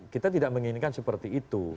kita tidak menginginkan seperti itu